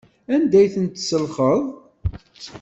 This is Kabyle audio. Anda ay ten-tselxeḍ?